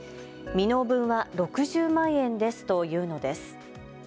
未納分は６０万円ですと言うのです。